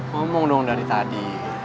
ngomong dong dari tadi